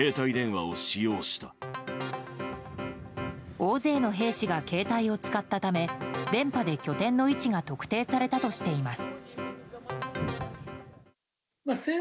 大勢の兵士が携帯を使ったため電波で拠点の位置が特定されたとしています。